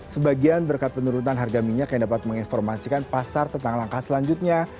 sebagian berkat penurunan harga minyak yang dapat menginformasikan pasar tentang langkah selanjutnya